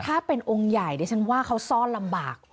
ถ้าเป็นองค์ใหญ่ดิฉันว่าเขาซ่อนลำบาก